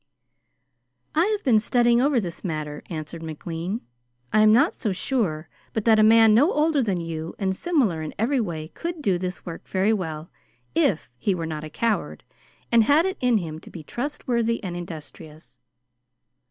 "I have been studying over this matter," answered McLean. "I am not so sure but that a man no older than you and similar in every way could do this work very well, if he were not a coward, and had it in him to be trustworthy and industrious."